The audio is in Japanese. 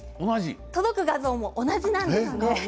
届く画像は同じなんですね。